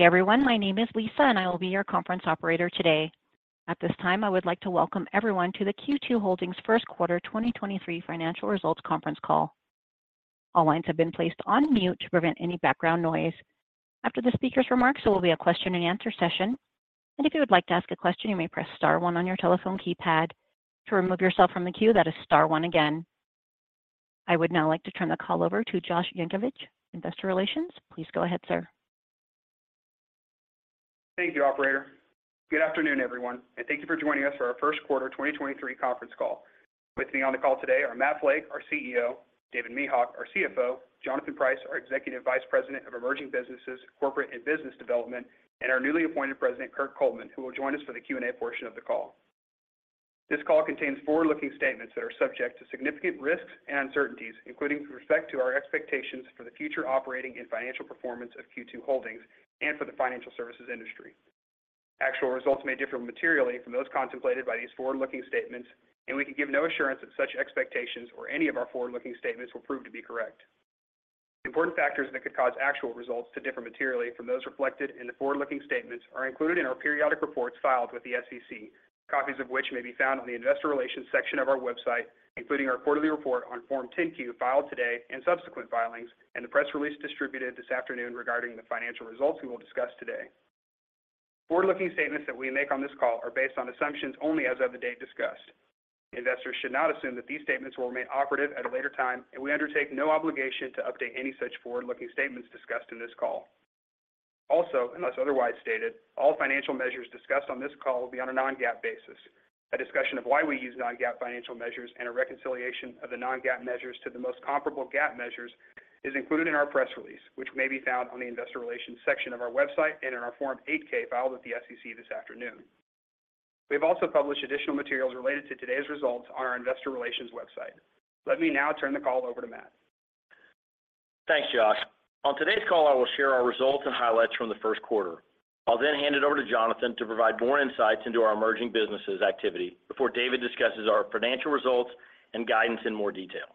Everyone, my name is Lisa. I will be your conference operator today. At this time, I would like to welcome everyone to the Q2 Holdings first quarter 2023 financial results conference call. All lines have been placed on mute to prevent any background noise. After the speaker's remarks, there will be a question and answer session. If you would like to ask a question, you may press star one on your telephone keypad. To remove yourself from the queue, that is star one again. I would now like to turn the call over to Josh Yankovich, Investor Relations. Please go ahead, sir. Thank you, operator. Good afternoon, everyone, and thank you for joining us for our first quarter 2023 conference call. With me on the call today are Matt Flake, our CEO, David Mehok, our CFO, Jonathan Price, our Executive Vice President of Emerging Businesses, Corporate and Business Development, and our newly appointed President, Kirk Coleman, who will join us for the Q&A portion of the call. This call contains forward-looking statements that are subject to significant risks and uncertainties, including with respect to our expectations for the future operating and financial performance of Q2 Holdings and for the financial services industry. Actual results may differ materially from those contemplated by these forward-looking statements, and we can give no assurance that such expectations or any of our forward-looking statements will prove to be correct. Important factors that could cause actual results to differ materially from those reflected in the forward-looking statements are included in our periodic reports filed with the SEC, copies of which may be found on the Investor Relations section of our website, including our quarterly report on Form 10-Q filed today and subsequent filings and the press release distributed this afternoon regarding the financial results we will discuss today. Forward-looking statements that we make on this call are based on assumptions only as of the date discussed. Investors should not assume that these statements will remain operative at a later time, and we undertake no obligation to update any such forward-looking statements discussed in this call. Also, unless otherwise stated, all financial measures discussed on this call will be on a non-GAAP basis. A discussion of why we use non-GAAP financial measures and a reconciliation of the non-GAAP measures to the most comparable GAAP measures is included in our press release, which may be found on the Investor Relations section of our website and in our Form 8-K filed with the SEC this afternoon. We've also published additional materials related to today's results on our Investor Relations website. Let me now turn the call over to Matt. Thanks, Josh. On today's call, I will share our results and highlights from the first quarter. I'll then hand it over to Jonathan to provide more insights into our emerging businesses activity before David discusses our financial results and guidance in more detail.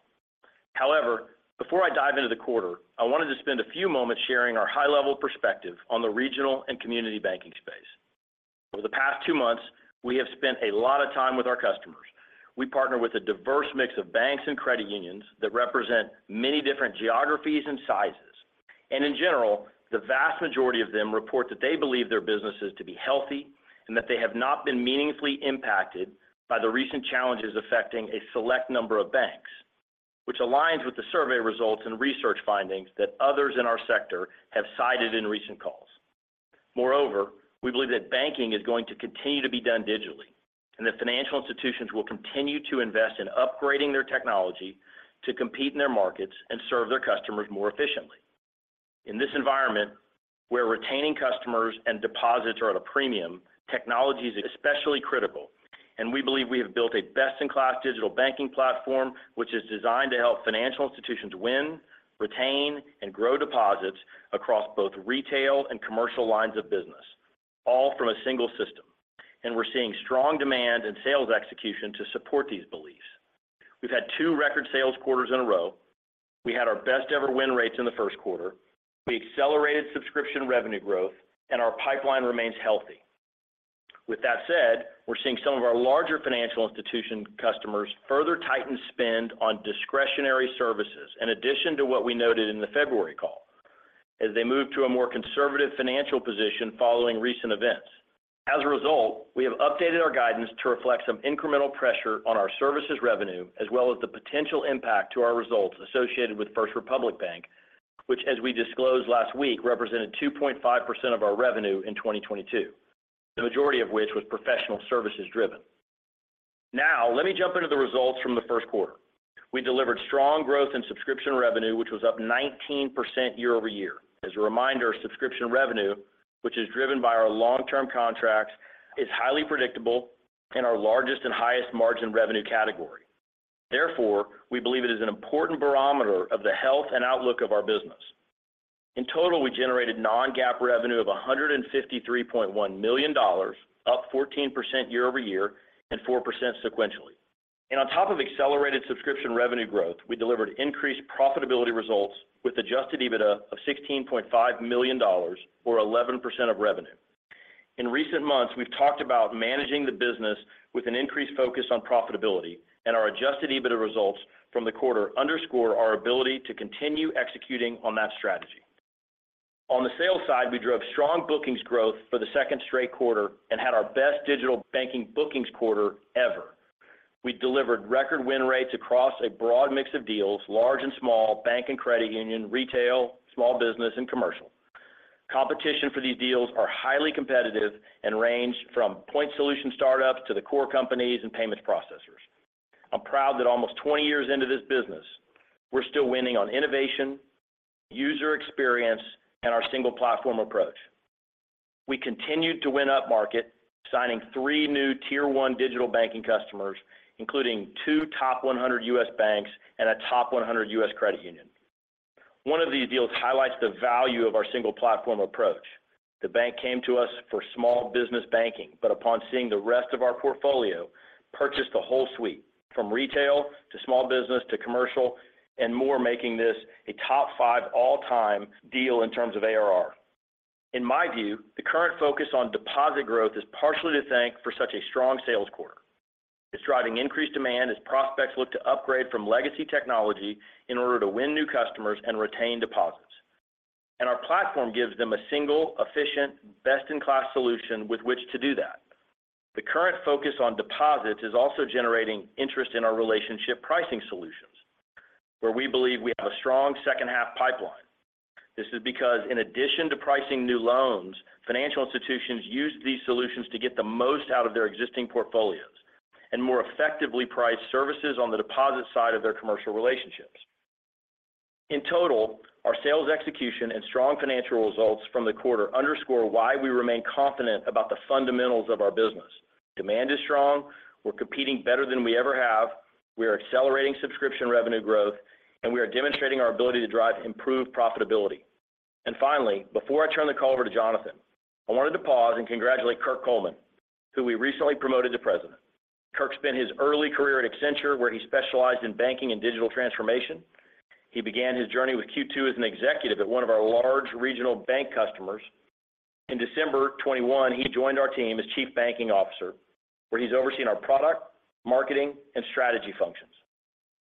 Before I dive into the quarter, I wanted to spend a few moments sharing our high-level perspective on the regional and community banking space. Over the past two months, we have spent a lot of time with our customers. We partner with a diverse mix of banks and credit unions that represent many different geographies and sizes. In general, the vast majority of them report that they believe their businesses to be healthy and that they have not been meaningfully impacted by the recent challenges affecting a select number of banks, which aligns with the survey results and research findings that others in our sector have cited in recent calls. Moreover, we believe that banking is going to continue to be done digitally, and that financial institutions will continue to invest in upgrading their technology to compete in their markets and serve their customers more efficiently. In this environment, where retaining customers and deposits are at a premium, technology is especially critical, and we believe we have built a best-in-class digital banking platform, which is designed to help financial institutions win, retain, and grow deposits across both retail and commercial lines of business, all from a single system. We're seeing strong demand and sales execution to support these beliefs. We've had two record sales quarters in a row. We had our best ever win rates in the first quarter. We accelerated subscription revenue growth, our pipeline remains healthy. With that said, we're seeing some of our larger financial institution customers further tighten spend on discretionary services in addition to what we noted in the February call as they move to a more conservative financial position following recent events. As a result, we have updated our guidance to reflect some incremental pressure on our services revenue, as well as the potential impact to our results associated with First Republic Bank, which as we disclosed last week, represented 2.5% of our revenue in 2022, the majority of which was professional services driven. Let me jump into the results from the first quarter. We delivered strong growth in subscription revenue, which was up 19% year-over-year. As a reminder, subscription revenue, which is driven by our long-term contracts, is highly predictable and our largest and highest margin revenue category. Therefore, we believe it is an important barometer of the health and outlook of our business. In total, we generated non-GAAP revenue of $153.1 million, up 14% year-over-year and 4% sequentially. On top of accelerated subscription revenue growth, we delivered increased profitability results with adjusted EBITDA of $16.5 million or 11% of revenue. In recent months, we've talked about managing the business with an increased focus on profitability, and our adjusted EBITDA results from the quarter underscore our ability to continue executing on that strategy. On the sales side, we drove strong bookings growth for the second straight quarter and had our best digital banking bookings quarter ever. We delivered record win rates across a broad mix of deals, large and small, bank and credit union, retail, small business, and commercial. Competition for these deals are highly competitive and range from point solution startups to the core companies and payments processors. I'm proud that almost 20 years into this business, we're still winning on innovation, user experience, and our single platform approach. We continued to win up-market, signing three new tier one digital banking customers, including two top 100 U.S. banks and a top 100 U.S. credit union. One of these deals highlights the value of our single platform approach. The bank came to us for small business banking, but upon seeing the rest of our portfolio, purchased the whole suite, from retail to small business to commercial and more, making this a top 5 all-time deal in terms of ARR. In my view, the current focus on deposit growth is partially to thank for such a strong sales quarter. It's driving increased demand as prospects look to upgrade from legacy technology in order to win new customers and retain deposits. Our platform gives them a single, efficient, best-in-class solution with which to do that. The current focus on deposits is also generating interest in our relationship pricing solutions, where we believe we have a strong second-half pipeline. This is because in addition to pricing new loans, financial institutions use these solutions to get the most out of their existing portfolios and more effectively price services on the deposit side of their commercial relationships. In total, our sales execution and strong financial results from the quarter underscore why we remain confident about the fundamentals of our business. Demand is strong, we're competing better than we ever have, we are accelerating subscription revenue growth, and we are demonstrating our ability to drive improved profitability. Finally, before I turn the call over to Jonathan, I wanted to pause and congratulate Kirk Coleman, who we recently promoted to President. Kirk spent his early career at Accenture, where he specialized in banking and digital transformation. He began his journey with Q2 as an executive at one of our large regional bank customers. In December 2021, he joined our team as chief banking officer, where he's overseen our product, marketing, and strategy functions.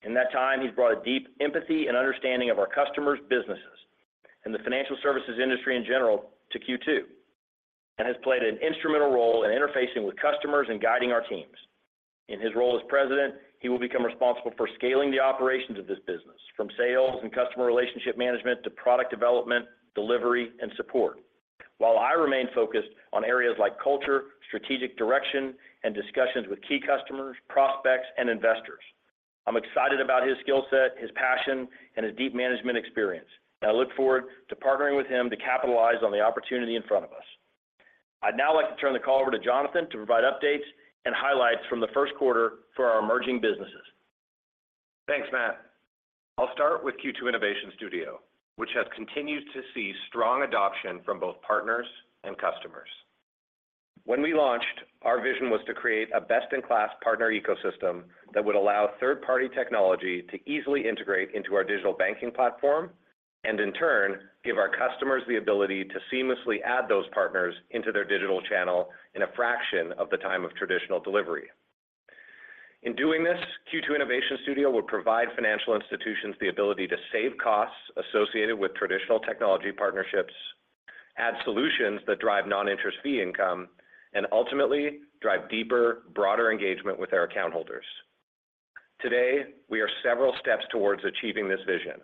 In that time, he's brought a deep empathy and understanding of our customers' businesses and the financial services industry in general to Q2, and has played an instrumental role in interfacing with customers and guiding our teams. In his role as president, he will become responsible for scaling the operations of this business, from sales and customer relationship management to product development, delivery, and support. While I remain focused on areas like culture, strategic direction, and discussions with key customers, prospects, and investors. I'm excited about his skill set, his passion, and his deep management experience. I look forward to partnering with him to capitalize on the opportunity in front of us. I'd now like to turn the call over to Jonathan to provide updates and highlights from the first quarter for our emerging businesses. Thanks, Matt. I'll start with Q2 Innovation Studio, which has continued to see strong adoption from both partners and customers. When we launched, our vision was to create a best-in-class partner ecosystem that would allow third-party technology to easily integrate into our digital banking platform, and in turn, give our customers the ability to seamlessly add those partners into their digital channel in a fraction of the time of traditional delivery. In doing this, Q2 Innovation Studio will provide financial institutions the ability to save costs associated with traditional technology partnerships, add solutions that drive non-interest fee income, and ultimately drive deeper, broader engagement with their account holders. Today, we are several steps towards achieving this vision.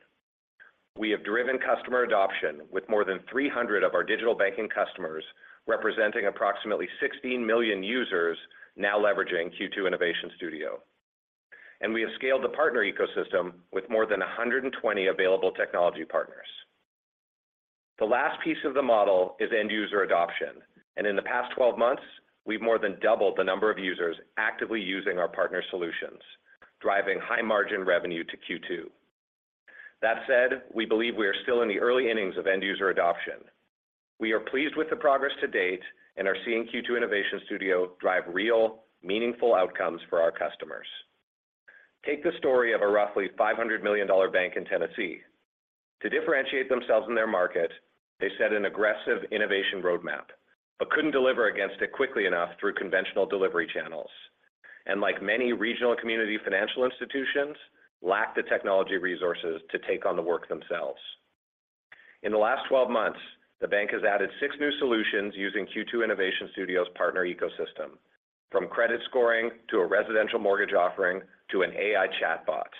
We have driven customer adoption with more than 300 of our digital banking customers, representing approximately 16 million users now leveraging Q2 Innovation Studio. We have scaled the partner ecosystem with more than 120 available technology partners. The last piece of the model is end user adoption, and in the past 12 months, we've more than doubled the number of users actively using our partner solutions, driving high-margin revenue to Q2. That said, we believe we are still in the early innings of end user adoption. We are pleased with the progress to date and are seeing Q2 Innovation Studio drive real, meaningful outcomes for our customers. Take the story of a roughly $500 million bank in Tennessee. To differentiate themselves in their market, they set an aggressive innovation roadmap, but couldn't deliver against it quickly enough through conventional delivery channels, and like many regional community financial institutions, lacked the technology resources to take on the work themselves. In the last 12 months, the bank has added six new solutions using Q2 Innovation Studio's partner ecosystem, from credit scoring to a residential mortgage offering to an AI chatbot.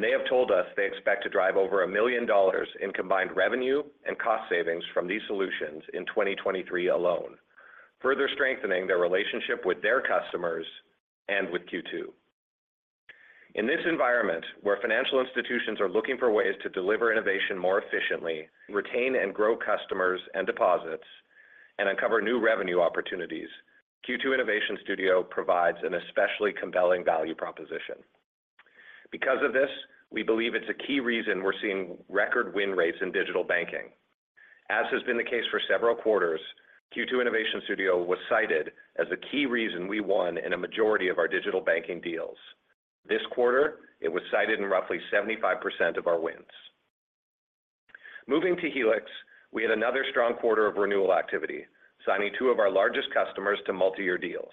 They have told us they expect to drive over $1 million in combined revenue and cost savings from these solutions in 2023 alone, further strengthening their relationship with their customers and with Q2. In this environment, where financial institutions are looking for ways to deliver innovation more efficiently, retain and grow customers and deposits, and uncover new revenue opportunities, Q2 Innovation Studio provides an especially compelling value proposition. Because of this, we believe it's a key reason we're seeing record win rates in digital banking. As has been the case for several quarters, Q2 Innovation Studio was cited as the key reason we won in a majority of our digital banking deals. This quarter, it was cited in roughly 75% of our wins. Moving to Helix, we had another strong quarter of renewal activity, signing two of our largest customers to multi-year deals.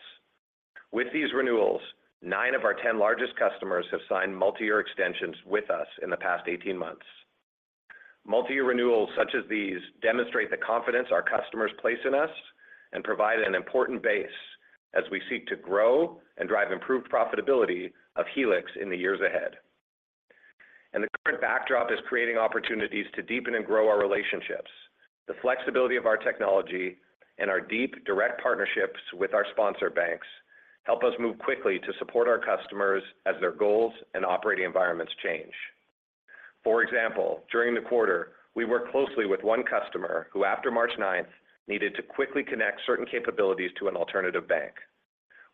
With these renewals, nine of our 10 largest customers have signed multi-year extensions with us in the past 18 months. Multi-year renewals such as these demonstrate the confidence our customers place in us and provide an important base as we seek to grow and drive improved profitability of Helix in the years ahead. The current backdrop is creating opportunities to deepen and grow our relationships. The flexibility of our technology and our deep direct partnerships with our sponsor banks help us move quickly to support our customers as their goals and operating environments change. For example, during the quarter, we worked closely with one customer who, after March 9th, needed to quickly connect certain capabilities to an alternative bank.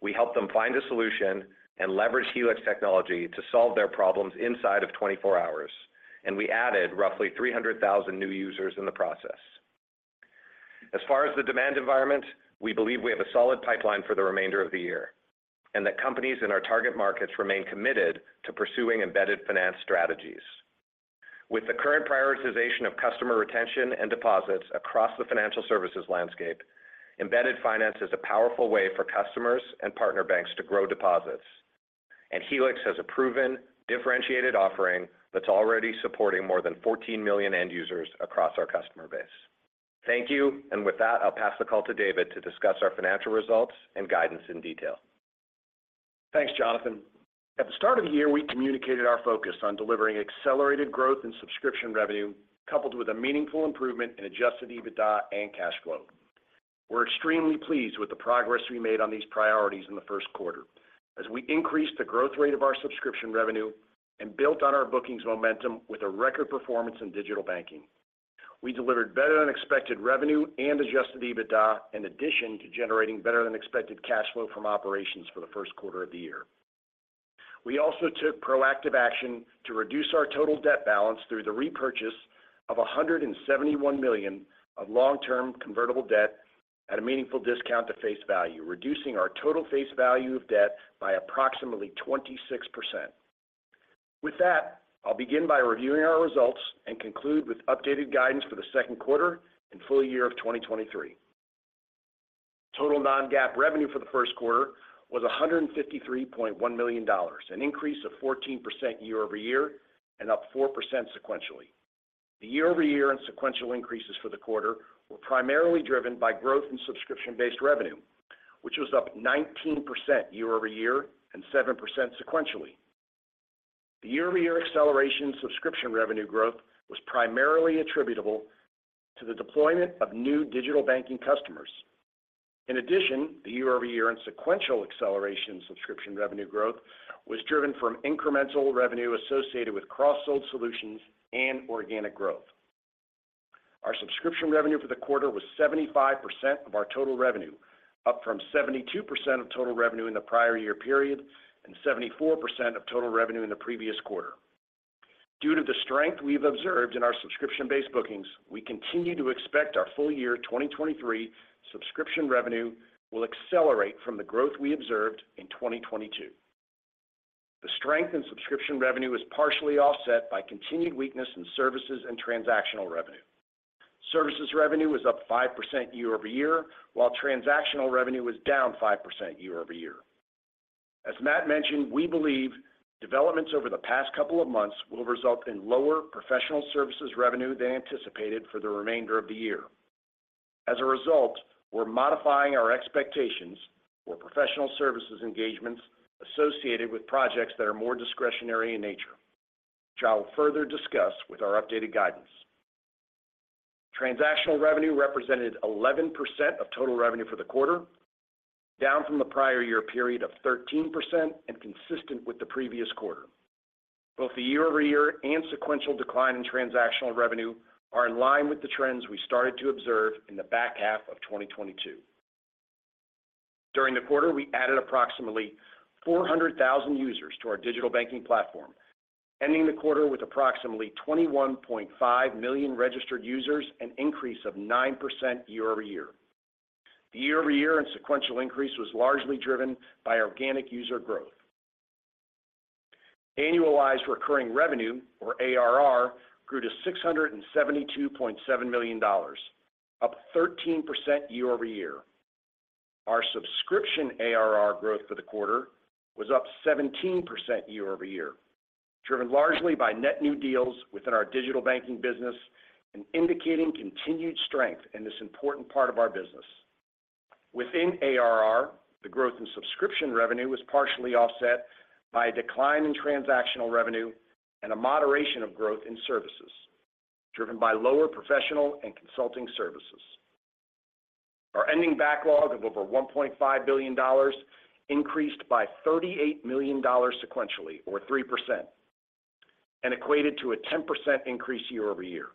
We helped them find a solution and leverage Helix technology to solve their problems inside of 24 hours. We added roughly 300,000 new users in the process. As far as the demand environment, we believe we have a solid pipeline for the remainder of the year. That companies in our target markets remain committed to pursuing embedded finance strategies. With the current prioritization of customer retention and deposits across the financial services landscape, embedded finance is a powerful way for customers and partner banks to grow deposits. Helix has a proven, differentiated offering that's already supporting more than 14 million end users across our customer base. Thank you. With that, I'll pass the call to David to discuss our financial results and guidance in detail. Thanks, Jonathan. At the start of the year, we communicated our focus on delivering accelerated growth in subscription revenue coupled with a meaningful improvement in adjusted EBITDA and cash flow. We're extremely pleased with the progress we made on these priorities in the first quarter as we increased the growth rate of our subscription revenue and built on our bookings momentum with a record performance in digital banking. We delivered better-than-expected revenue and adjusted EBITDA in addition to generating better-than-expected cash flow from operations for the first quarter of the year. We also took proactive action to reduce our total debt balance through the repurchase of $171 million of long-term convertible debt at a meaningful discount to face value, reducing our total face value of debt by approximately 26%. I'll begin by reviewing our results and conclude with updated guidance for the second quarter and full year of 2023. Total non-GAAP revenue for the first quarter was $153.1 million, an increase of 14% year-over-year and up 4% sequentially. The year-over-year and sequential increases for the quarter were primarily driven by growth in subscription-based revenue, which was up 19% year-over-year and 7% sequentially. The year-over-year acceleration in subscription revenue growth was primarily attributable to the deployment of new digital banking customers. The year-over-year and sequential acceleration in subscription revenue growth was driven from incremental revenue associated with cross-sold solutions and organic growth. Our subscription revenue for the quarter was 75% of our total revenue, up from 72% of total revenue in the prior year period and 74% of total revenue in the previous quarter. Due to the strength we've observed in our subscription-based bookings, we continue to expect our full year 2023 subscription revenue will accelerate from the growth we observed in 2022. The strength in subscription revenue was partially offset by continued weakness in services and transactional revenue. Services revenue was up 5% year-over-year, while transactional revenue was down 5% year-over-year. As Matt mentioned, we believe developments over the past couple of months will result in lower professional services revenue than anticipated for the remainder of the year. As a result, we're modifying our expectations for professional services engagements associated with projects that are more discretionary in nature, which I will further discuss with our updated guidance. Transactional revenue represented 11% of total revenue for the quarter, down from the prior year period of 13% and consistent with the previous quarter. Both the year-over-year and sequential decline in transactional revenue are in line with the trends we started to observe in the back half of 2022. During the quarter, we added approximately 400,000 users to our digital banking platform, ending the quarter with approximately 21.5 million registered users, an increase of 9% year-over-year. The year-over-year and sequential increase was largely driven by organic user growth. Annual Recurring Revenue, or ARR, grew to $672.7 million, up 13% year-over-year. Our subscription ARR growth for the quarter was up 17% year-over-year, driven largely by net new deals within our digital banking business and indicating continued strength in this important part of our business. Within ARR, the growth in subscription revenue was partially offset by a decline in transactional revenue and a moderation of growth in services, driven by lower professional and consulting services. Our ending backlog of over $1.5 billion increased by $38 million sequentially, or 3%, and equated to a 10% increase year-over-year.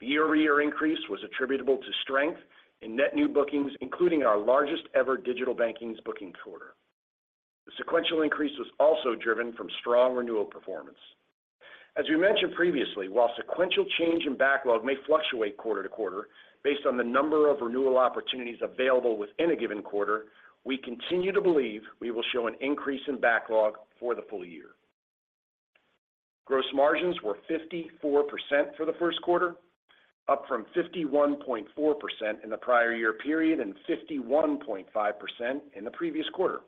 The year-over-year increase was attributable to strength in net new bookings, including our largest-ever digital banking bookings quarter. The sequential increase was also driven from strong renewal performance. As we mentioned previously, while sequential change in backlog may fluctuate quarter to quarter based on the number of renewal opportunities available within a given quarter, we continue to believe we will show an increase in backlog for the full year. Gross margins were 54% for the 1st quarter, up from 51.4% in the prior year period and 51.5% in the previous quarter.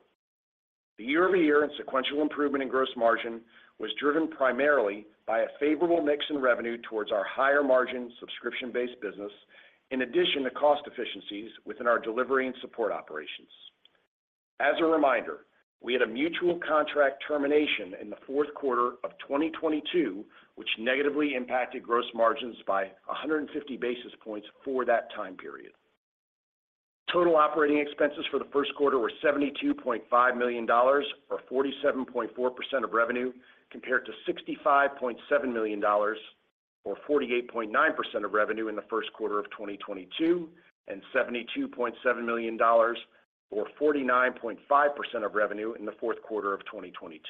The year-over-year and sequential improvement in gross margin was driven primarily by a favorable mix in revenue towards our higher-margin subscription-based business, in addition to cost efficiencies within our delivery and support operations. As a reminder, we had a mutual contract termination in the 4th quarter of 2022 which negatively impacted gross margins by 150 basis points for that time period. Total operating expenses for the first quarter were $72.5 million, or 47.4% of revenue, compared to $65.7 million, or 48.9% of revenue in the first quarter of 2022, and $72.7 million, or 49.5% of revenue in the fourth quarter of 2022.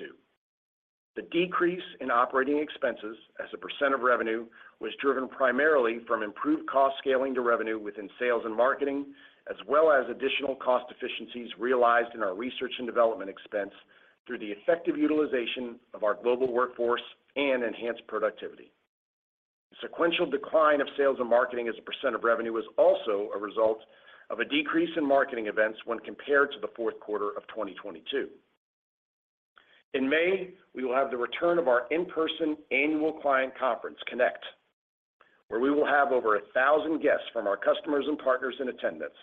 The decrease in operating expenses as a % of revenue was driven primarily from improved cost scaling to revenue within sales and marketing, as well as additional cost efficiencies realized in our research and development expense through the effective utilization of our global workforce and enhanced productivity. Sequential decline of sales and marketing as a % of revenue was also a result of a decrease in marketing events when compared to the fourth quarter of 2022. In May, we will have the return of our in-person annual client conference, Connect, where we will have over 1,000 guests from our customers and partners in attendance.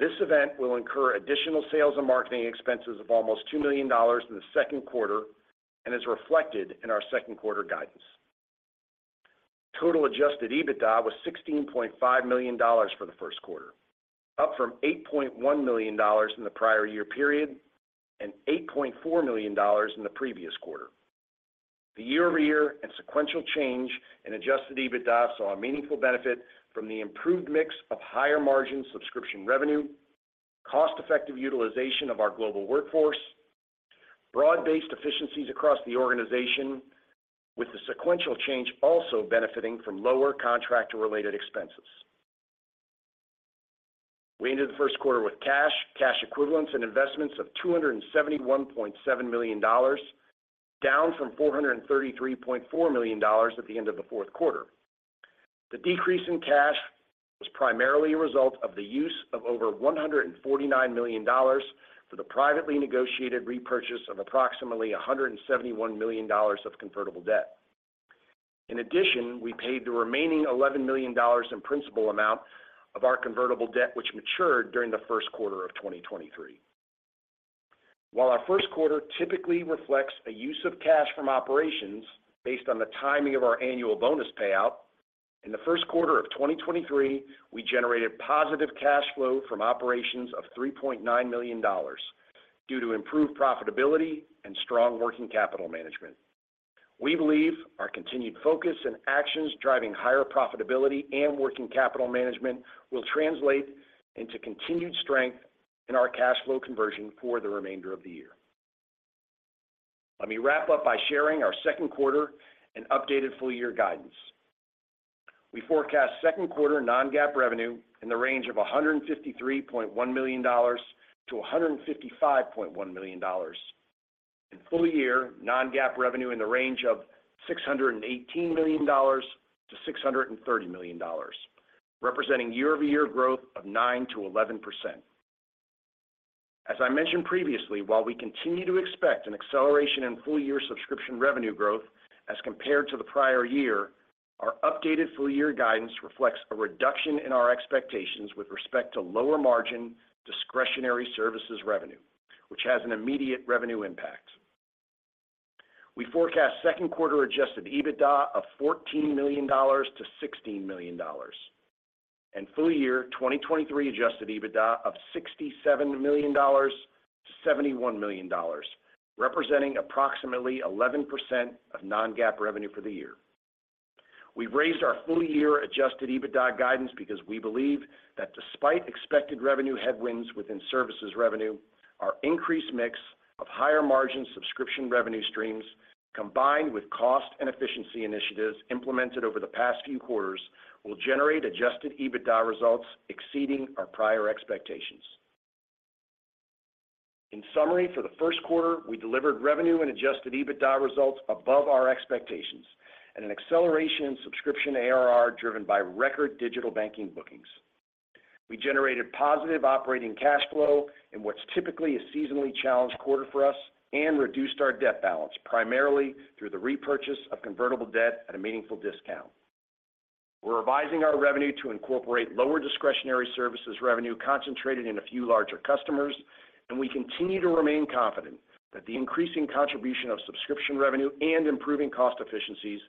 This event will incur additional sales and marketing expenses of almost $2 million in the second quarter and is reflected in our second quarter guidance. Total adjusted EBITDA was $16.5 million for the first quarter, up from $8.1 million in the prior year period and $8.4 million in the previous quarter. The year-over-year and sequential change in adjusted EBITDA saw a meaningful benefit from the improved mix of higher margin subscription revenue, cost-effective utilization of our global workforce, broad-based efficiencies across the organization, with the sequential change also benefiting from lower contractor-related expenses. We ended the first quarter with cash equivalents, and investments of $271.7 million, down from $433.4 million at the end of the fourth quarter. The decrease in cash was primarily a result of the use of over $149 million for the privately negotiated repurchase of approximately $171 million of convertible debt. We paid the remaining $11 million in principal amount of our convertible debt which matured during the first quarter of 2023. While our first quarter typically reflects a use of cash from operations based on the timing of our annual bonus payout, in the first quarter of 2023, we generated positive cash flow from operations of $3.9 million due to improved profitability and strong working capital management. We believe our continued focus and actions driving higher profitability and working capital management will translate into continued strength in our cash flow conversion for the remainder of the year. Let me wrap up by sharing our second quarter and updated full year guidance. We forecast second quarter non-GAAP revenue in the range of $153.1 million-$155.1 million. In full year, non-GAAP revenue in the range of $618 million-$630 million, representing year-over-year growth of 9%-11%. As I mentioned previously, while we continue to expect an acceleration in full year subscription revenue growth as compared to the prior year, our updated full year guidance reflects a reduction in our expectations with respect to lower margin discretionary services revenue, which has an immediate revenue impact. We forecast second quarter adjusted EBITDA of $14 million-$16 million. Full year 2023 adjusted EBITDA of $67 million-$71 million, representing approximately 11% of non-GAAP revenue for the year. We've raised our full year adjusted EBITDA guidance because we believe that despite expected revenue headwinds within services revenue, our increased mix of higher margin subscription revenue streams, combined with cost and efficiency initiatives implemented over the past few quarters, will generate adjusted EBITDA results exceeding our prior expectations. Summary, for the first quarter, we delivered revenue and adjusted EBITDA results above our expectations and an acceleration in subscription ARR driven by record digital banking bookings. We generated positive operating cash flow in what's typically a seasonally challenged quarter for us and reduced our debt balance, primarily through the repurchase of convertible debt at a meaningful discount. We're revising our revenue to incorporate lower discretionary services revenue concentrated in a few larger customers, and we continue to remain confident that the increasing contribution of subscription revenue and improving cost efficiencies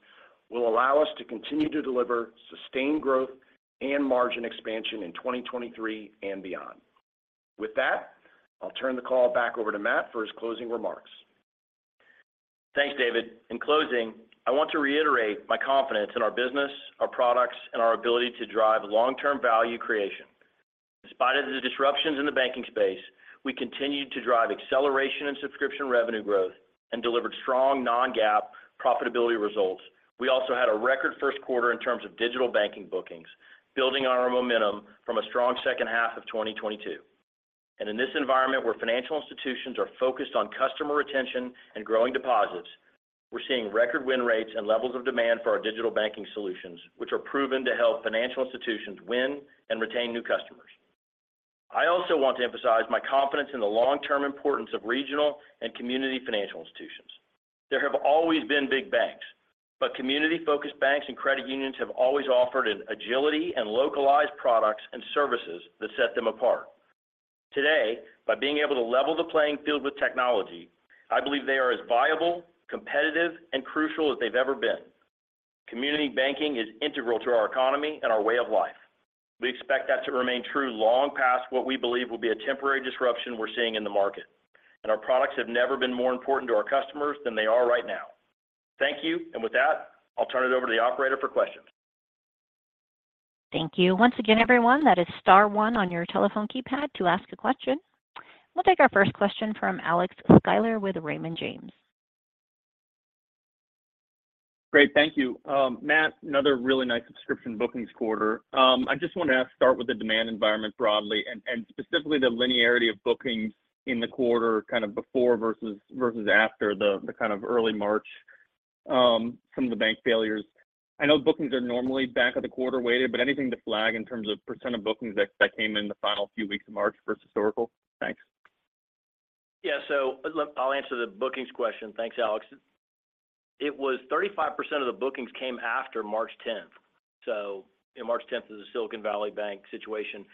will allow us to continue to deliver sustained growth and margin expansion in 2023 and beyond. With that, I'll turn the call back over to Matt for his closing remarks. Thanks, David. In closing, I want to reiterate my confidence in our business, our products, and our ability to drive long-term value creation. In spite of the disruptions in the banking space, we continued to drive acceleration in subscription revenue growth and delivered strong non-GAAP profitability results. We also had a record first quarter in terms of digital banking bookings, building on our momentum from a strong second half of 2022. In this environment where financial institutions are focused on customer retention and growing deposits, we're seeing record win rates and levels of demand for our digital banking solutions, which are proven to help financial institutions win and retain new customers. I also want to emphasize my confidence in the long-term importance of regional and community financial institutions. There have always been big banks, community-focused banks and credit unions have always offered an agility and localized products and services that set them apart. Today, by being able to level the playing field with technology, I believe they are as viable, competitive, and crucial as they've ever been. Community banking is integral to our economy and our way of life. We expect that to remain true long past what we believe will be a temporary disruption we're seeing in the market. Our products have never been more important to our customers than they are right now. Thank you. With that, I'll turn it over to the operator for questions. Thank you. Once again, everyone, that is star one on your telephone keypad to ask a question. We'll take our first question from Alex Sklar with Raymond James. Great. Thank you. Matt, another really nice subscription bookings quarter. I just want to ask, start with the demand environment broadly and specifically the linearity of bookings in the quarter, kind of before versus after the kind of early March, some of the bank failures. I know bookings are normally back of the quarter weighted, but anything to flag in terms of % of bookings that came in the final few weeks of March versus historical? Thanks. Yeah. I'll answer the bookings question. Thanks, Alex. It was 35% of the bookings came after March 10th. You know, March 10th is the Silicon Valley Bank situation.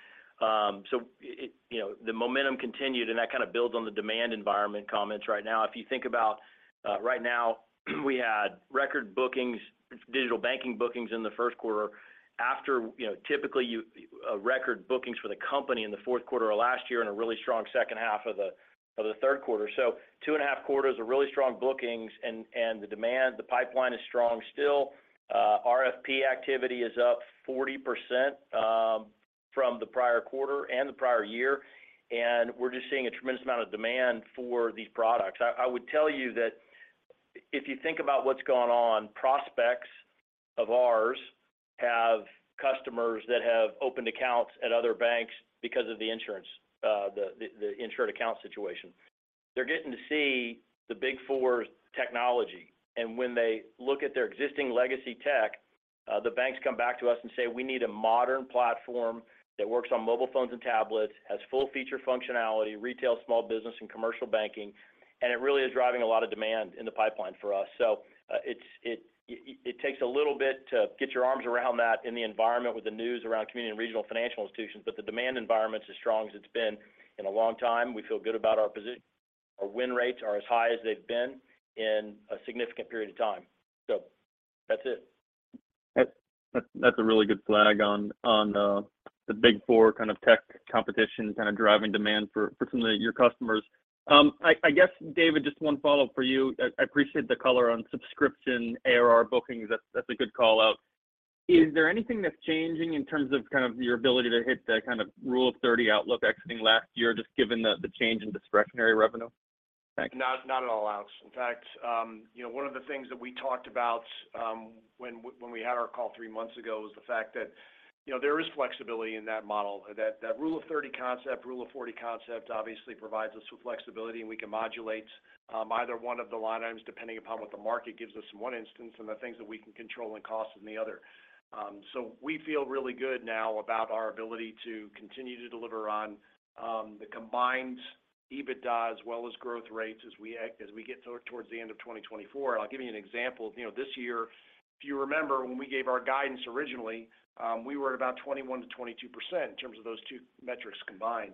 It, you know, the momentum continued, and that kind of builds on the demand environment comments right now. If you think about, right now we had record bookings, digital banking bookings in the first quarter after, you know, typically record bookings for the company in the fourth quarter of last year and a really strong second half of the, of the third quarter. Two and a half quarters of really strong bookings and the demand, the pipeline is strong still. RFP activity is up 40%, from the prior quarter and the prior year, and we're just seeing a tremendous amount of demand for these products. I would tell you that if you think about what's gone on, prospects of ours have customers that have opened accounts at other banks because of the insurance, the insured account situation. They're getting to see the big four's technology. When they look at their existing legacy tech, the banks come back to us and say, "We need a modern platform that works on mobile phones and tablets, has full feature functionality, retail, small business, and commercial banking," it really is driving a lot of demand in the pipeline for us. It takes a little bit to get your arms around that in the environment with the news around community and regional financial institutions. The demand environment's as strong as it's been in a long time. We feel good about our win rates are as high as they've been in a significant period of time. That's it. That's a really good flag on the big four kind of tech competition kind of driving demand for some of your customers. I guess, David, just one follow-up for you. I appreciate the color on subscription ARR bookings. That's a good call-out. Is there anything that's changing in terms of kind of your ability to hit the kind of Rule of 30 outlook exiting last year, just given the change in discretionary revenue? Thanks. Not at all, Alex. In fact, you know, one of the things that we talked about when we had our call three months ago was the fact that, you know, there is flexibility in that model. That Rule of 30 concept, Rule of 40 concept obviously provides us with flexibility, and we can modulate either one of the line items depending upon what the market gives us in one instance and the things that we can control in cost in the other. We feel really good now about our ability to continue to deliver on the combined EBITDA as well as growth rates as we get towards the end of 2024. I'll give you an example. You know, this year, if you remember, when we gave our guidance originally, we were at about 21%-22% in terms of those two metrics combined.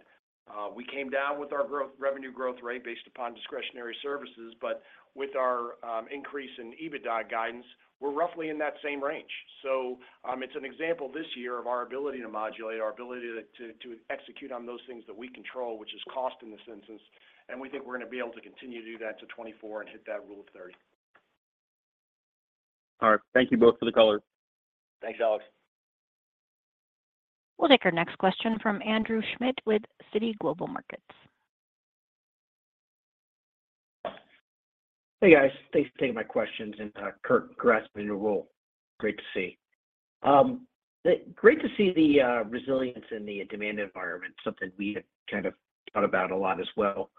We came down with our revenue growth rate based upon discretionary services, but with our increase in EBITDA guidance, we're roughly in that same range. It's an example this year of our ability to modulate, our ability to execute on those things that we control, which is cost in this instance, and we think we're gonna be able to continue to do that to 2024 and hit that Rule of 30. All right. Thank you both for the color. Thanks, Alex. We'll take our next question from Andrew Schmidt with Citi Global Markets. Hey, guys. Thanks for taking my questions. Kirk, congrats on your role. Great to see. Great to see the resilience in the demand environment, something we had kind of thought about a lot as well.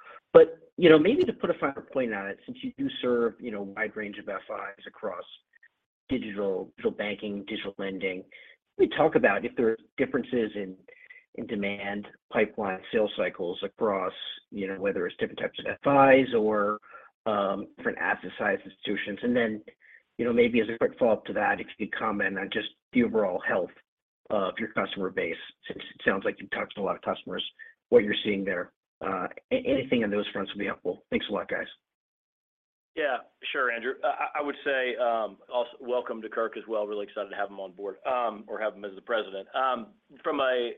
You know, maybe to put a finer point on it, since you do serve, you know, a wide range of FIs across digital banking, digital lending, can we talk about if there are differences in demand pipeline sales cycles across, you know, whether it's different types of FIs or different asset size institutions? You know, maybe as a quick follow-up to that, if you could comment on just the overall health of your customer base, since it sounds like you've talked to a lot of customers, what you're seeing there. Anything on those fronts would be helpful. Thanks a lot, guys. Yeah. Sure, Andrew. I would say, also welcome to Kirk as well. Really excited to have him on board, or have him as the President. From my,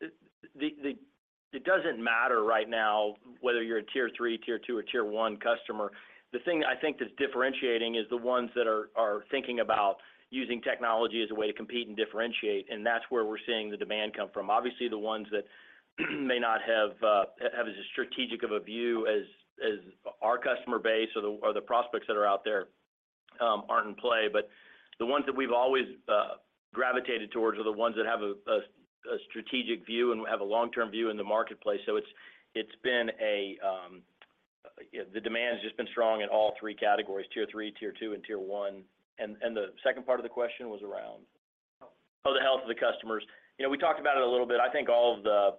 it doesn't matter right now whether you're a tier three, tier two, or tier one customer. The thing that I think that's differentiating is the ones that are thinking about using technology as a way to compete and differentiate, and that's where we're seeing the demand come from. Obviously, the ones that may not have as strategic of a view as our customer base or the prospects that are out there, aren't in play. The ones that we've always gravitated towards are the ones that have a strategic view and have a long-term view in the marketplace. It's been a, you know, the demand's just been strong in all three categories, Tier Three, Tier Two, and Tier One. The second part of the question was around? Health. Oh, the health of the customers. You know, we talked about it a little bit. I think all of the,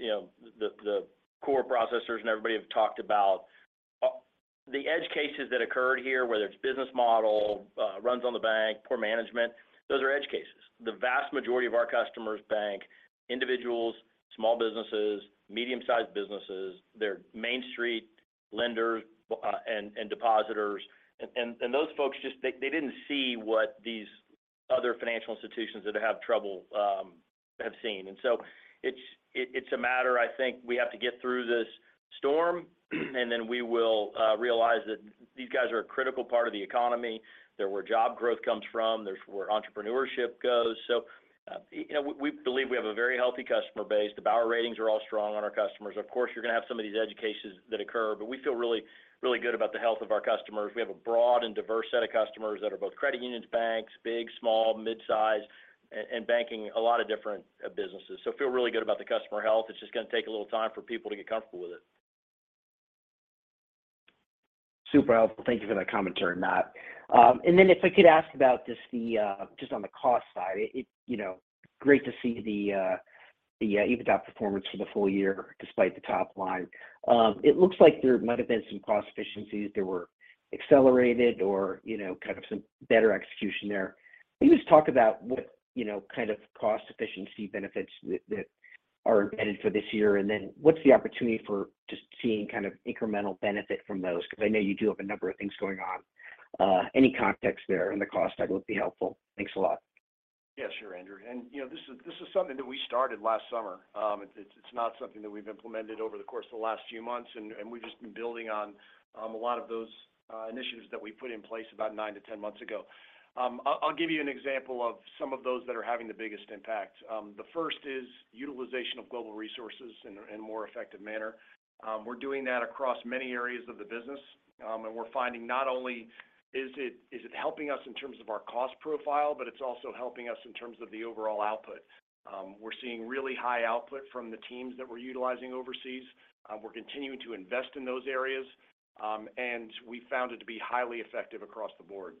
you know, the core processors and everybody have talked about the edge cases that occurred here, whether it's business model, runs on the bank, poor management, those are edge cases. The vast majority of our customers bank individuals, small businesses, medium-sized businesses. They're main street lenders, and depositors. Those folks just they didn't see what these other financial institutions that have trouble Have seen. It's a matter I think we have to get through this storm and then we will realize that these guys are a critical part of the economy. They're where job growth comes from. There's where entrepreneurship goes. You know, we believe we have a very healthy customer base. The Bauer ratings are all strong on our customers. Of course, you're gonna have some of these educations that occur, but we feel really, really good about the health of our customers. We have a broad and diverse set of customers that are both credit unions, banks, big, small, mid-size, and banking a lot of different businesses. Feel really good about the customer health. It's just gonna take a little time for people to get comfortable with it. Super helpful. Thank you for that commentary, Matt. If I could ask about just the just on the cost side? It, you know, great to see the EBITDA performance for the full year despite the top line. It looks like there might have been some cost efficiencies that were accelerated or, you know, kind of some better execution there. Can you just talk about what, you know, kind of cost efficiency benefits that are embedded for this year? What's the opportunity for just seeing kind of incremental benefit from those? Because I know you do have a number of things going on. Any context there on the cost side would be helpful. Thanks a lot. Yeah, sure, Andrew. You know, this is something that we started last summer. It's not something that we've implemented over the course of the last few months, and we've just been building on a lot of those initiatives that we put in place about nine to 10 months ago. I'll give you an example of some of those that are having the biggest impact. The first is utilization of global resources in a more effective manner. We're doing that across many areas of the business. We're finding not only is it helping us in terms of our cost profile, but it's also helping us in terms of the overall output. We're seeing really high output from the teams that we're utilizing overseas. We're continuing to invest in those areas, and we found it to be highly effective across the board.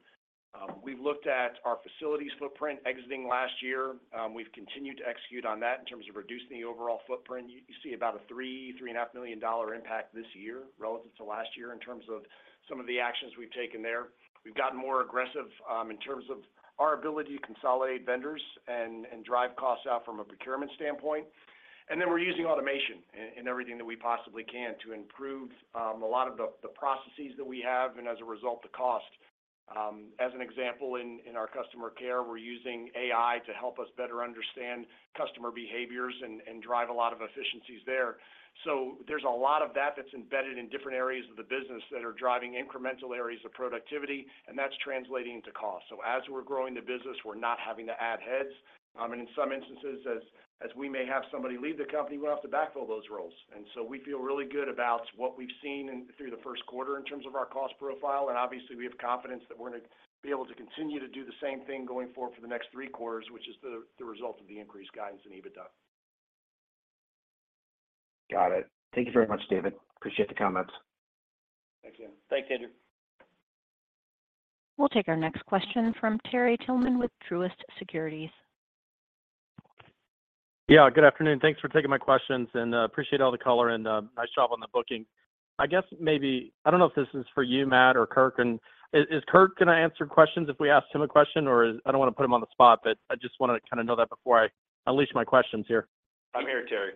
We've looked at our facilities footprint exiting last year. We've continued to execute on that in terms of reducing the overall footprint. You see about a $3 million-$3.5 million impact this year relative to last year in terms of some of the actions we've taken there. We've gotten more aggressive in terms of our ability to consolidate vendors and drive costs out from a procurement standpoint. We're using automation in everything that we possibly can to improve a lot of the processes that we have, and as a result, the cost. As an example, in our customer care, we're using AI to help us better understand customer behaviors and drive a lot of efficiencies there. There's a lot of that that's embedded in different areas of the business that are driving incremental areas of productivity, and that's translating into cost. As we're growing the business, we're not having to add heads. In some instances, as we may have somebody leave the company, we don't have to backfill those roles. We feel really good about what we've seen through the first quarter in terms of our cost profile. Obviously, we have confidence that we're gonna be able to continue to do the same thing going forward for the next three quarters, which is the result of the increased guidance in EBITDA. Got it. Thank you very much, David. Appreciate the comments. Thanks, Andrew. We'll take our next question from Terry Tillman with Truist Securities. Yeah, good afternoon. Thanks for taking my questions. Appreciate all the color and nice job on the booking. I guess maybe I don't know if this is for you, Matt or Kirk. Is Kirk gonna answer questions if we ask him a question, or I don't want to put him on the spot, but I just want to kind of know that before I unleash my questions here. I'm here, Terry.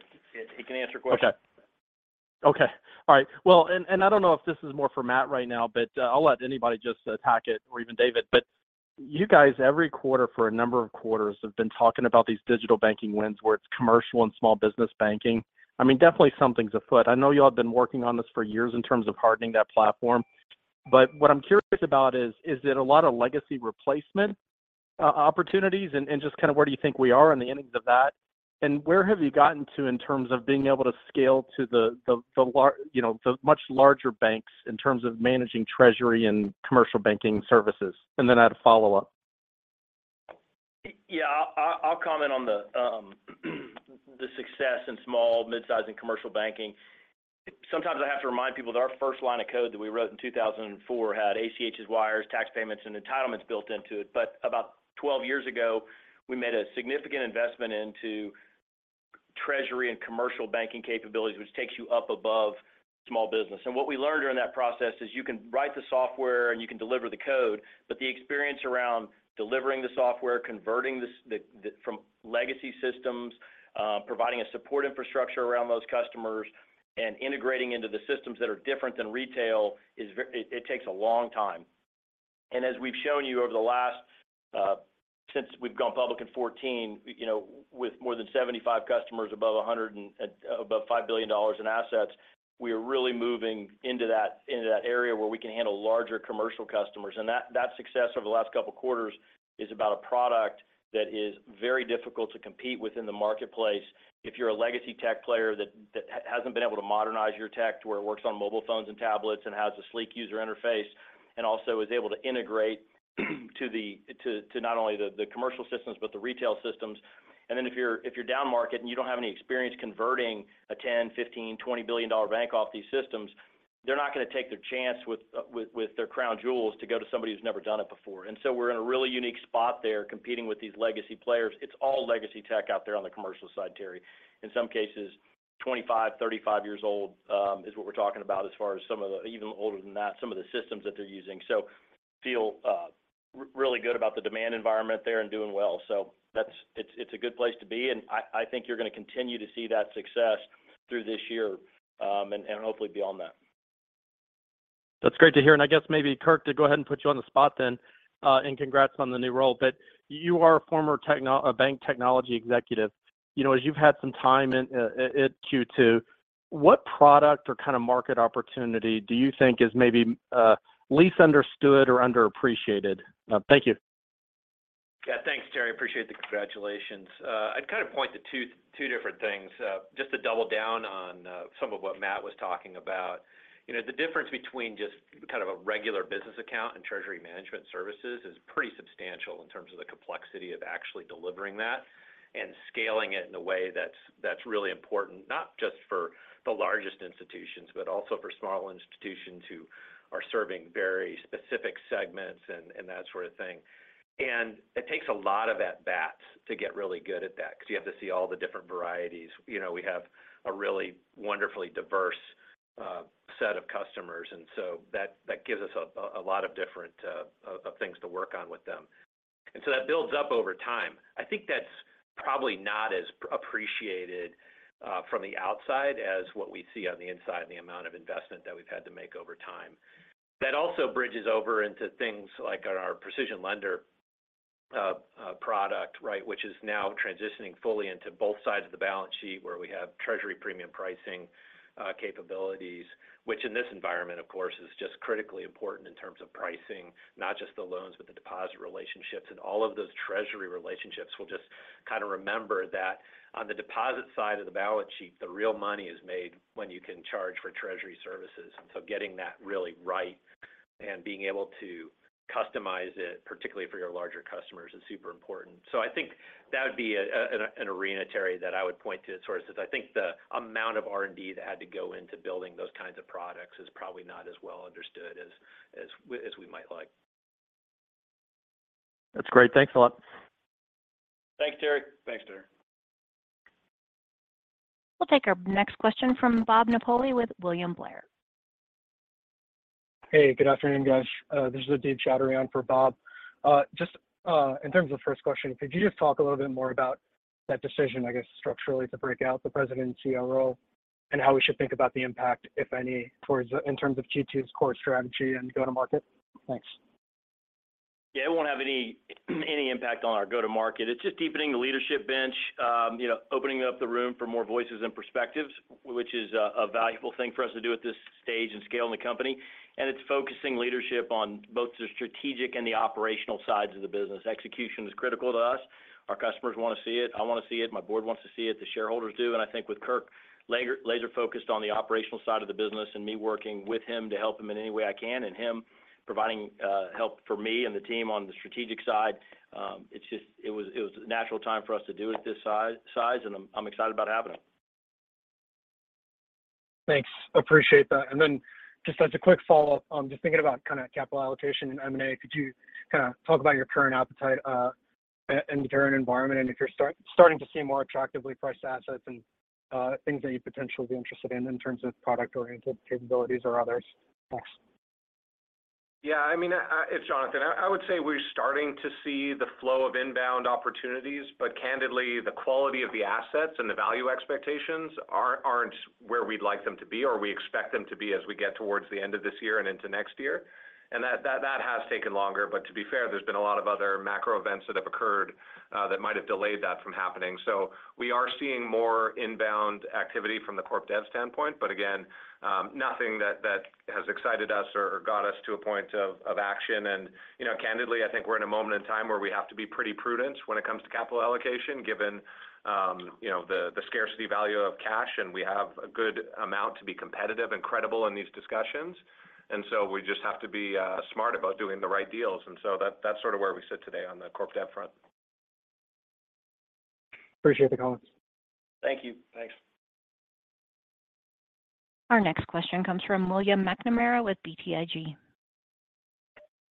He can answer questions. Okay. Okay. All right. I don't know if this is more for Matt right now, I'll let anybody just attack it or even David. You guys, every quarter for a number of quarters have been talking about these digital banking wins where it's commercial and small business banking. I mean, definitely something's afoot. I know y'all have been working on this for years in terms of hardening that platform. What I'm curious about is it a lot of legacy replacement opportunities? Just kind of where do you think we are in the innings of that? Where have you gotten to in terms of being able to scale to the much larger banks in terms of managing treasury and commercial banking services? Then I'd follow up. Yeah. I'll comment on the success in small, mid-size, and commercial banking. Sometimes I have to remind people that our first line of code that we wrote in 2004 had ACHs, wires, tax payments, and entitlements built into it. About 12 years ago, we made a significant investment into treasury and commercial banking capabilities, which takes you up above small business. What we learned during that process is you can write the software and you can deliver the code, but the experience around delivering the software, converting from legacy systems, providing a support infrastructure around those customers and integrating into the systems that are different than retail is it takes a long time. As we've shown you over the last, since we've gone public in 2014, you know, with more than 75 customers above $5 billion in assets, we are really moving into that area where we can handle larger commercial customers. That success over the last couple quarters is about a product that is very difficult to compete with in the marketplace. If you're a legacy tech player that hasn't been able to modernize your tech to where it works on mobile phones and tablets and has a sleek user interface, and also is able to integrate to the not only the commercial systems, but the retail systems. If you're down market and you don't have any experience converting a 10, 15, 20 billion dollar bank off these systems, they're not going to take their chance with their crown jewels to go to somebody who's never done it before. We're in a really unique spot there competing with these legacy players. It's all legacy tech out there on the commercial side, Terry. In some cases, 25, 35 years old is what we're talking about as far as some of the even older than that, some of the systems that they're using. Feel really good about the demand environment there and doing well. That's it's a good place to be, and I think you're going to continue to see that success through this year, and hopefully beyond that. That's great to hear. I guess maybe Kirk, to go ahead and put you on the spot then, and congrats on the new role. You are a former bank technology executive. You know, as you've had some time in at Q2, what product or kind of market opportunity do you think is maybe least understood or underappreciated? Thank you. Thanks, Terry. Appreciate the congratulations. I'd kind of point to two different things. Just to double down on some of what Matt was talking about. You know, the difference between just kind of a regular business account and treasury management services is pretty substantial in terms of the complexity of actually delivering that and scaling it in a way that's really important, not just for the largest institutions, but also for small institutions who are serving very specific segments and that sort of thing. It takes a lot of at-bats to get really good at that because you have to see all the different varieties. You know, we have a really wonderfully diverse set of customers, that gives us a lot of different things to work on with them. That builds up over time. I think that's probably not as appreciated, from the outside as what we see on the inside and the amount of investment that we've had to make over time. That also bridges over into things like our PrecisionLender, product, right, which is now transitioning fully into both sides of the balance sheet, where we have Premium Treasury Pricing, capabilities, which in this environment, of course, is just critically important in terms of pricing, not just the loans, but the deposit relationships. All of those treasury relationships, we'll just kind of remember that on the deposit side of the balance sheet, the real money is made when you can charge for treasury services. Getting that really right and being able to customize it, particularly for your larger customers, is super important. I think that would be an arena, Terry, that I would point to as far as I think the amount of R&D that had to go into building those kinds of products is probably not as well understood as we might like. That's great. Thanks a lot. Thanks, Terry. Thanks, Terry. We'll take our next question from Bob Napoli with William Blair. Hey, good afternoon, guys. This is Adeeb Choudhury in for Bob. Just, in terms of first question, could you just talk a little bit more about that decision, I guess, structurally to break out the President and COO role and how we should think about the impact, if any, towards in terms of Q2's core strategy and go-to-market? Thanks. It won't have any impact on our go-to-market. It's just deepening the leadership bench, you know, opening up the room for more voices and perspectives, which is a valuable thing for us to do at this stage and scale in the company. It's focusing leadership on both the strategic and the operational sides of the business. Execution is critical to us. Our customers want to see it. I want to see it. My board wants to see it. The shareholders do. I think with Kirk laser-focused on the operational side of the business and me working with him to help him in any way I can and him providing help for me and the team on the strategic side, it was a natural time for us to do at this size, and I'm excited about having him. Thanks. Appreciate that. Then just as a quick follow-up, just thinking about kind of capital allocation and M&A, could you kind of talk about your current appetite in the current environment, and if you're starting to see more attractively priced assets and things that you'd potentially be interested in in terms of product-oriented capabilities or others? Thanks. Yeah, I mean, it's Jonathan. I would say we're starting to see the flow of inbound opportunities, but candidly, the quality of the assets and the value expectations aren't where we'd like them to be or we expect them to be as we get towards the end of this year and into next year. That has taken longer. To be fair, there's been a lot of other macro events that have occurred that might have delayed that from happening. We are seeing more inbound activity from the corp dev standpoint, but again, nothing that has excited us or got us to a point of action. You know, candidly, I think we're in a moment in time where we have to be pretty prudent when it comes to capital allocation, given, you know, the scarcity value of cash, and we have a good amount to be competitive and credible in these discussions. We just have to be smart about doing the right deals. That's sort of where we sit today on the corp dev front. Appreciate the comments. Thank you. Thanks. Our next question comes from William McNamara with BTIG.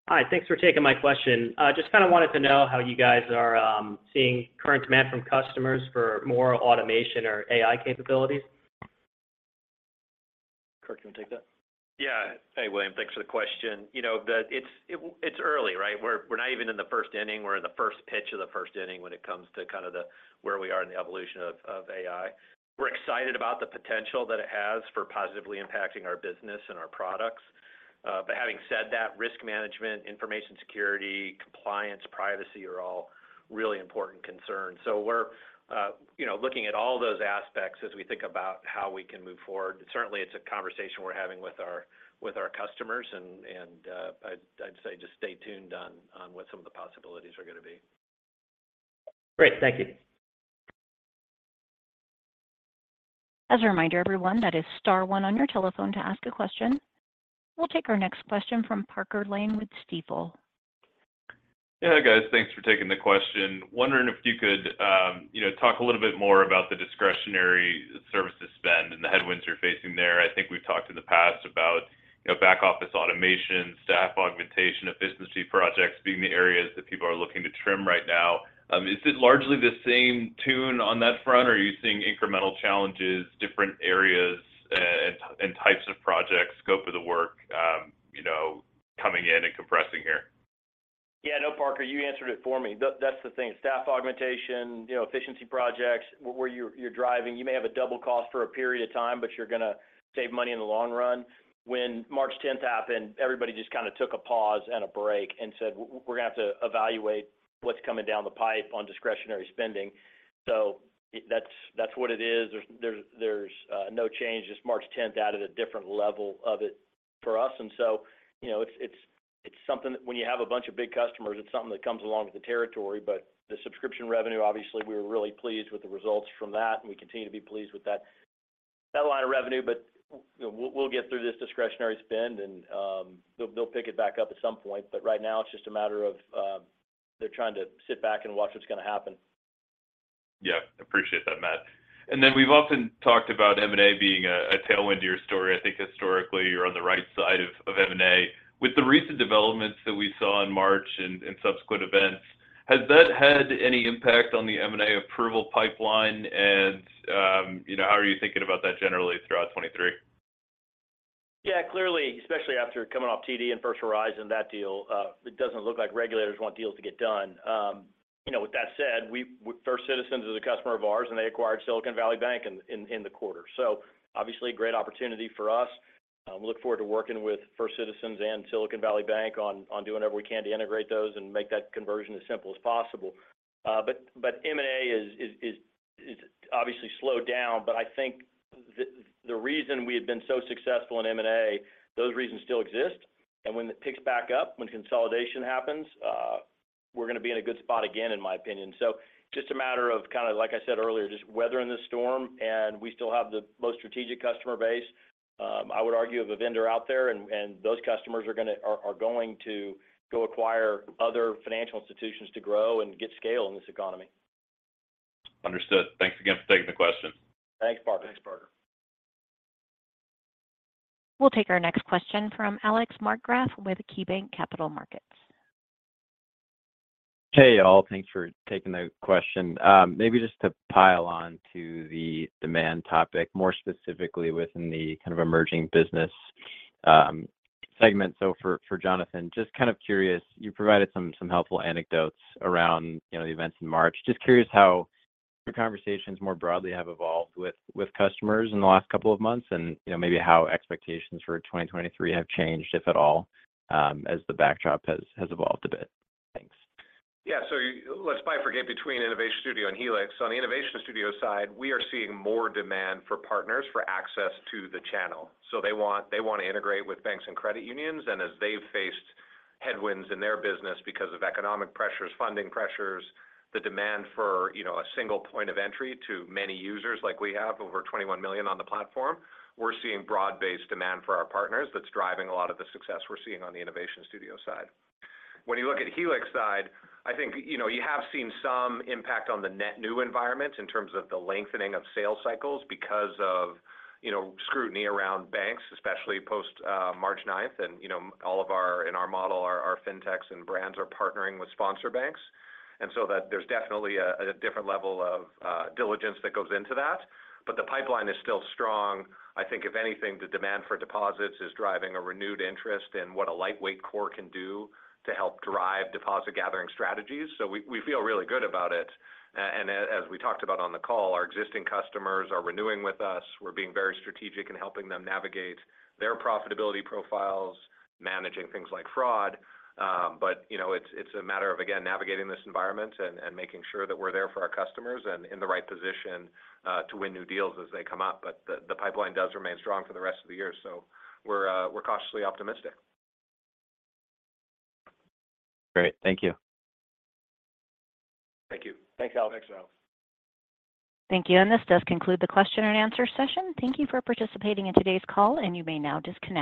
Hi. Thanks for taking my question. Just kind of wanted to know how you guys are seeing current demand from customers for more automation or AI capabilities. Kirk, do you want to take that? Yeah. Hey, William. Thanks for the question. You know, it's early, right? We're not even in the first inning. We're in the first pitch of the first inning when it comes to kind of the where we are in the evolution of AI. We're excited about the potential that it has for positively impacting our business and our products. Having said that, risk management, information security, compliance, privacy are all really important concerns. We're, you know, looking at all those aspects as we think about how we can move forward. Certainly, it's a conversation we're having with our customers and, I'd say just stay tuned on what some of the possibilities are going to be. Great. Thank you. As a reminder, everyone, that is star one on your telephone to ask a question. We'll take our next question from Parker Lane with Stifel. Yeah. Hey, guys. Thanks for taking the question. Wondering if you could, you know, talk a little bit more about the discretionary services spend and the headwinds you're facing there. I think we've talked in the past about, you know, back office automation, staff augmentation of business fee projects being the areas that people are looking to trim right now. Is it largely the same tune on that front, or are you seeing incremental challenges, different areas, and types of projects, scope of the work, you know, coming in and compressing here? Yeah. No, Parker, you answered it for me. That's the thing. Staff augmentation, you know, efficiency projects where you're driving. You may have a double cost for a period of time, but you're gonna save money in the long run. When March 10th happened, everybody just kind of took a pause and a break and said, "We're gonna have to evaluate what's coming down the pipe on discretionary spending." That's, that's what it is. There's no change, just March 10th added a different level of it for us. You know, it's something that when you have a bunch of big customers, it's something that comes along with the territory. The subscription revenue, obviously, we're really pleased with the results from that, and we continue to be pleased with that line of revenue. You know, we'll get through this discretionary spend and, they'll pick it back up at some point. Right now it's just a matter of, they're trying to sit back and watch what's gonna happen. Yeah. Appreciate that, Matt. We've often talked about M&A being a tailwind to your story. I think historically you're on the right side of M&A. With the recent developments that we saw in March and subsequent events, has that had any impact on the M&A approval pipeline and, you know, how are you thinking about that generally throughout 2023? Yeah. Clearly, especially after coming off TD and First Horizon, that deal, it doesn't look like regulators want deals to get done. You know, with that said, First Citizens is a customer of ours, and they acquired Silicon Valley Bank in the quarter, so obviously a great opportunity for us. Look forward to working with First Citizens and Silicon Valley Bank on doing whatever we can to integrate those and make that conversion as simple as possible. But M&A is obviously slowed down, but I think the reason we had been so successful in M&A, those reasons still exist. When it picks back up, when consolidation happens, we're gonna be in a good spot again, in my opinion. Just a matter of kind of, like I said earlier, just weathering the storm, and we still have the most strategic customer base, I would argue of a vendor out there, and those customers are going to go acquire other financial institutions to grow and get scale in this economy. Understood. Thanks again for taking the question. Thanks, Parker. Thanks, Parker. We'll take our next question from Alex Markgraff with KeyBanc Capital Markets. Hey, y'all. Thanks for taking the question. Maybe just to pile on to the demand topic, more specifically within the kind of emerging business segment. For Jonathan, just kind of curious, you provided some helpful anecdotes around, you know, the events in March. Just curious how your conversations more broadly have evolved with customers in the last couple of months and, you know, maybe how expectations for 2023 have changed, if at all, as the backdrop has evolved a bit. Thanks. Yeah. Let's bifurcate between Innovation Studio and Helix. On the Innovation Studio side, we are seeing more demand for partners for access to the channel. They want to integrate with banks and credit unions, and as they've faced headwinds in their business because of economic pressures, funding pressures, the demand for, you know, a single point of entry to many users like we have, over 21 million on the platform, we're seeing broad-based demand for our partners that's driving a lot of the success we're seeing on the Innovation Studio side. You look at Helix side, I think, you know, you have seen some impact on the net new environment in terms of the lengthening of sales cycles because of, you know, scrutiny around banks, especially post March 9th. You know, in our model, our fintechs and brands are partnering with sponsor banks. That there's definitely a different level of diligence that goes into that, but the pipeline is still strong. I think if anything, the demand for deposits is driving a renewed interest in what a lightweight core can do to help drive deposit gathering strategies. We feel really good about it. As we talked about on the call, our existing customers are renewing with us. We're being very strategic in helping them navigate their profitability profiles, managing things like fraud. You know, it's a matter of, again, navigating this environment and making sure that we're there for our customers and in the right position to win new deals as they come up. The pipeline does remain strong for the rest of the year, so we're cautiously optimistic. Great. Thank you. Thank you. Thanks, Alex. Thanks, Alex. Thank you, and this does conclude the question and answer session. Thank you for participating in today's call, and you may now disconnect.